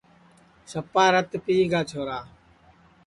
سپا رت پِیگا چھورا